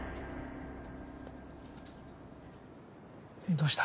どうした？